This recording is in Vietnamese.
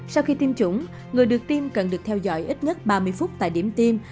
sau khi tiêm chủng người được tiêm cần được theo dõi ít nhất ba mươi phút tại điểm tiêm